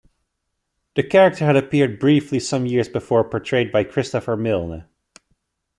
The character had appeared briefly some years before portrayed by Christopher Milne.